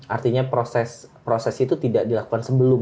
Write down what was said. artinya proses itu tidak dilakukan sebelum